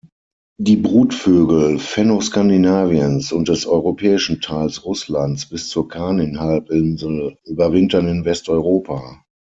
Die Brutvögel Fennoskandinaviens und des europäischen Teils Russlands bis zur Kanin-Halbinsel überwintern in Westeuropa.